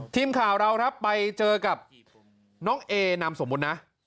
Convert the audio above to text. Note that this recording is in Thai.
ทีมข่าวเราไปเจอกับน้องเอนำสมมตินะ